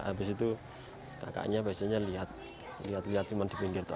nah abis itu kakaknya biasanya lihat lihat cuman di pinggir toh